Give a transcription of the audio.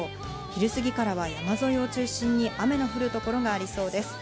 昼過ぎからは山沿いを中心に雨の降る所がありそうです。